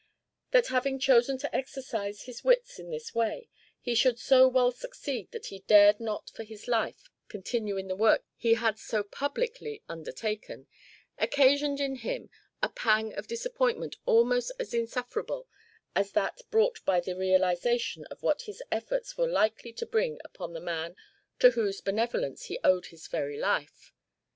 That, having chosen to exercise his wits in this way, he should so well succeed that he dared not for his life continue in the work he had so publicly undertaken, occasioned in him a pang of disappointment almost as insufferable as that brought by the realisation of what his efforts were likely to bring upon the man to whose benevolence he owed his very life.